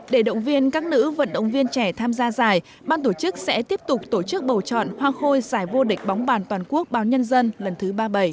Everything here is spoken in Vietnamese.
để động viên các nữ vận động viên trẻ tham gia giải ban tổ chức sẽ tiếp tục tổ chức bầu chọn hoa khôi giải vô địch bóng bàn toàn quốc báo nhân dân lần thứ ba mươi bảy